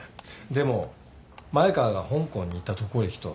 でも前川が香港に行った渡航歴と一致してた。